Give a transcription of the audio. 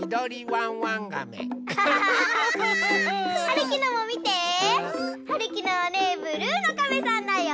はるきのもみて！はるきのはねブルーのカメさんだよ！